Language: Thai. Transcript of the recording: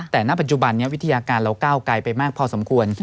แต่ณปัจจุบันนี้วิทยาการเราก้าวไกลไปมากพอสมควร